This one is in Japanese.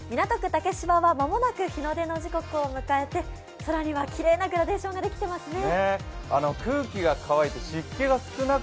竹芝は間もなく日の出の時刻を迎えて空にはきれいなグラデーションができていますね。